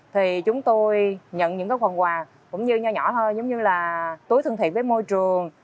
thì chúng tôi nhận những cái quần quà cũng như nhỏ nhỏ thôi giống như là túi thương thiện với môi trường